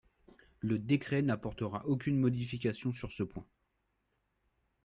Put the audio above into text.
Le décret n’apportera aucune modification sur ce point.